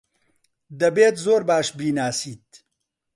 دەبێت زۆر باش بیناسیت.